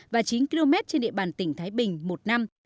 và chín km trên địa bàn tỉnh thái bình một năm